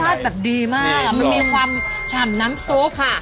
รสชาติแบบดีมากมันมีความฉ่ำน้ำซุป